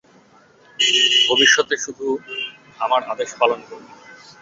ভবিষ্যতে শুধু আমার আদেশ পালন করবে।